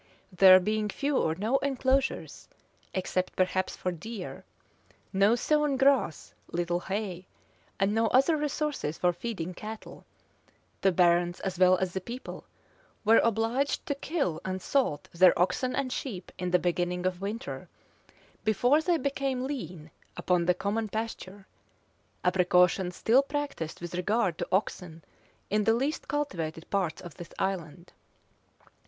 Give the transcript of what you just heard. There being few or no enclosures, except perhaps for deer, no sown grass, little hay, and no other resource for feeding cattle, the barons, as well as the people, were obliged to kill and salt their oxen and sheep in the beginning of winter, before they became lean upon the common pasture; a precaution still practised with regard to oxen in the least cultivated parts of this island.